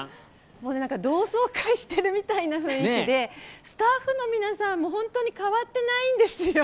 もうなんか、同窓会してるみたいな雰囲気で、スタッフの皆さんも、本当に変わってないんですよ。